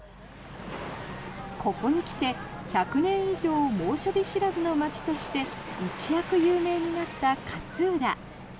ここに来て１００年以上猛暑日知らずの街として一躍有名になった勝浦。